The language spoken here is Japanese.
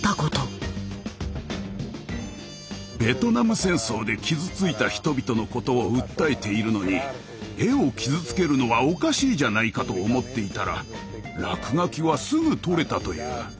ベトナム戦争で傷ついた人々のことを訴えているのに絵を傷つけるのはおかしいじゃないかと思っていたら落書きはすぐ取れたという。